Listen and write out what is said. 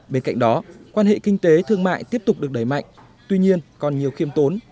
bên cạnh đó quan hệ kinh tế thương mại tiếp tục được đẩy mạnh tuy nhiên còn nhiều khiêm tốn